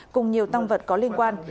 cùng nhiều tăng vật có liên quan